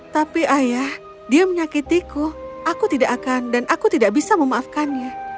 tapi ayah dia menyakitiku aku tidak akan dan aku tidak bisa memaafkannya